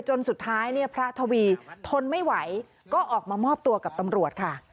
จนสุดท้ายเนี่ยพระทวีทนไม่ไหวก็ออกมามอบตัวกับตำรวจค่ะ